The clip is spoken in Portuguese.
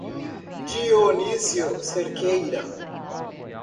Dionísio Cerqueira